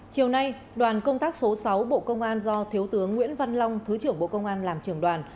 chiều nay đoàn công tác số sáu bộ công an do thiếu tướng nguyễn văn long thứ trưởng bộ công an làm trưởng đoàn